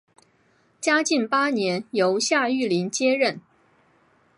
嘉靖八年由夏玉麟接任。